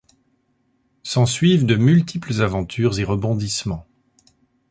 S'ensuivent de multiples aventures et rebondissements...